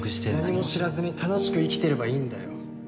何も知らずに楽しく生きてればいいんだよ